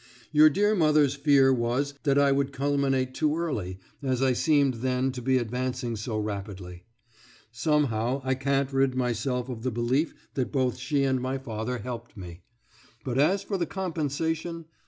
Your dear mother's fear was that I would culminate too early, as I seemed then to be advancing so rapidly. Somehow I can't rid myself of the belief that both she and my father helped me. But as for the compensation?